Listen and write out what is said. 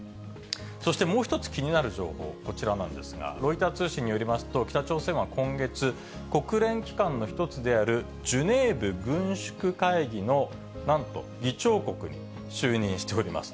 そしてもう一つ、気になる情報、こちらなんですが、ロイター通信によりますと、北朝鮮は今月、国連機関の一つであるジュネーブ軍縮会議のなんと議長国に就任しております。